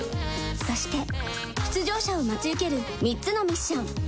そして出場者を待ち受ける３つのミッション。